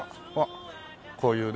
こういうね。